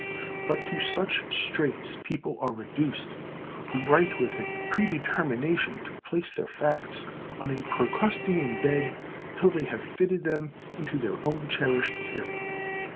But to such straits people are reduced, who write with a predetermination to place their facts on a Procrustean bed till they have fitted them into their own cherished theory.